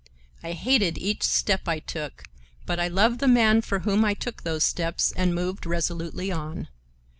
I hated each step I took, but I loved the man for whom I took those steps, and moved resolutely on.